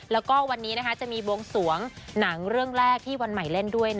แล้วก็วันนี้จะมีบวงสวงหนังเรื่องแรกที่วันใหม่เล่นด้วย